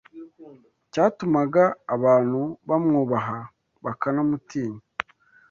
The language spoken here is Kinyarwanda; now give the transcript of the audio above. cyatumaga abantu bamwubaha bakanamutinya